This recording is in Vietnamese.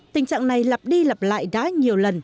tình trạng này lặp đi lặp lại đá nhiều lần